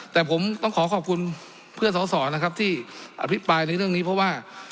แต่ผมต้องขอขอบคุณเพื่อนสอสอนะครับที่อภิปรายในเรื่องนี้เพราะว่า